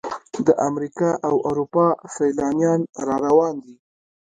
د امریکا او اروپا سیلانیان را روان دي.